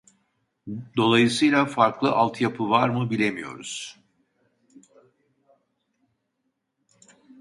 Dolayısıyla farklı alt yapı var mı bilemiyoruz